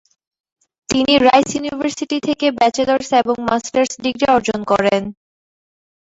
তিনি Rice University থেকে bachelors এবং মাস্টার্স ডিগ্রি অর্জন করেন।